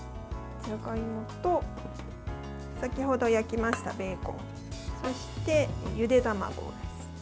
じゃがいもと先ほど焼きましたベーコンそして、ゆで卵です。